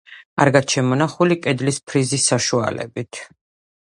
კარგად შემონახული კედლის ფრიზის საშუალებით.